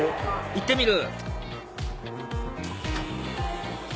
行ってみる！